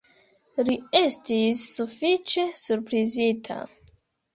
Li estis sufiĉe surprizita.